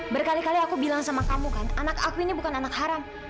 berkali kali aku bilang sama kamu kan anak aku ini bukan anak haram